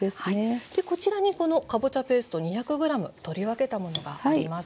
こちらにこのかぼちゃペースト２００ｇ取り分けたものがあります。